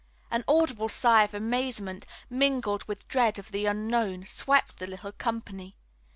An audible sigh of amazement, mingled with dread of the unknown, swept the little company.